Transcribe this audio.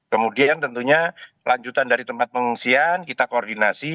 kemudian tentunya lanjutan dari tempat pengungsian kita koordinasi